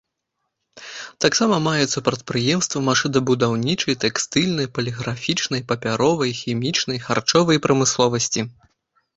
Таксама маюцца прадпрыемствы машынабудаўнічай, тэкстыльнай, паліграфічнай, папяровай, хімічнай, харчовай прамысловасці.